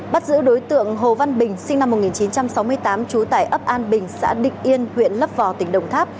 bắt giữ đối tượng hồ văn bình sinh năm một nghìn chín trăm sáu mươi tám trú tải ấp an bình xã định yên huyện lấp vò tỉnh đồng tháp